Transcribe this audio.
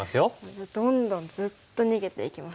じゃあどんどんずっと逃げていきます。